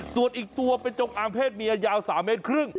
ส่วนอีกตัวเป็นจงอางเพศเมียยาว๓เมตรครึ่ง